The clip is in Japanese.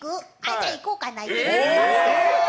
じゃ、いこうかな。